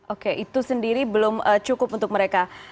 oke itu sendiri belum cukup untuk mereka